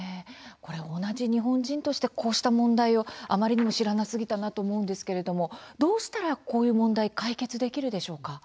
同じ日本人としてこうした問題をあまりにも知らなすぎたなと思うんですけれどもどうしたら、こういう問題解決できるでしょうか。